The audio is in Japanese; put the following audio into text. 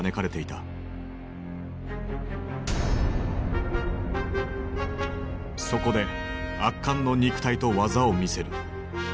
そこで圧巻の肉体と技を見せる。